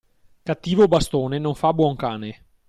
Cattivo bastone non fa buon cane.